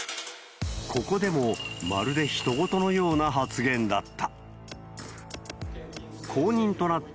ここでも、まるでひと事のような発言だった。